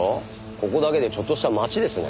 ここだけでちょっとした町ですね。